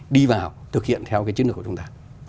đi vào thực hiện theo cái chiến lược của chúng ta